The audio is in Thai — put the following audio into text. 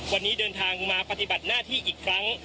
วันนี้เดินทางมาปฏิบัติหน้าที่อีกครั้ง